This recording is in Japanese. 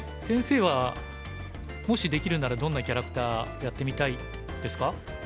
先生はもしできるならどんなキャラクターやってみたいですか？